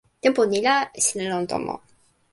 tenpo ni la, sina lon tomo.